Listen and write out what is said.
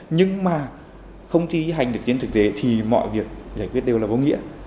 nhưng mà không thi hành được trên thực tế thì mọi việc giải quyết đều là vô nghĩa